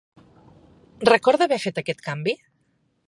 Recorda haver fet aquest canvi?